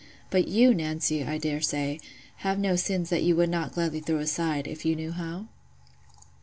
But you, Nancy, I dare say, have no sins that you would not gladly throw aside, if you knew how?